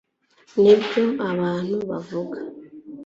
nibyo abantu bavuga